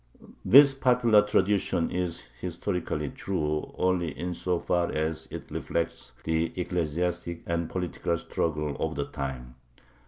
This popular tradition is historically true only insofar as it reflects the ecclesiastic and political struggle of the time.